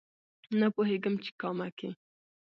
نه پوهېږم چې کامه کې